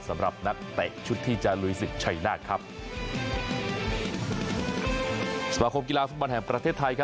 สำหรับนักเตะชุดที่จะลุยสิทธิ์ชัยหน้าครับสมาคมกีฬาฟุมบอลแห่งประเทศไทยครับ